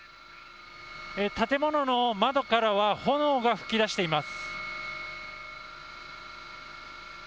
建物の窓からは炎が噴き出しています。